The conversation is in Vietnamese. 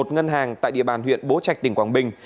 một ngân hàng tại địa bàn huyện